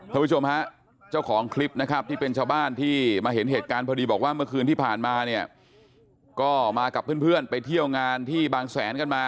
ผู้ชมฮะเจ้าของคลิปนะครับที่เป็นชาวบ้านที่มาเห็นเหตุการณ์พอดีบอกว่าเมื่อคืนที่ผ่านมาเนี่ยก็มากับเพื่อนไปเที่ยวงานที่บางแสนกันมา